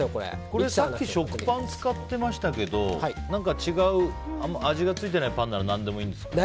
これ、さっき食パン使ってましたけど違う、味がついてないパンなら何でもいいんですか？